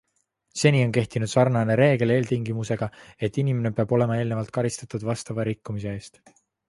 Seni on kehtinud sarnane reegel eeltingimusega, et inimene peab olema eelnevalt karistatud vastava rikkumise eest.